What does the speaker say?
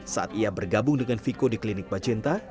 saat ia bergabung dengan viko di klinik bacinta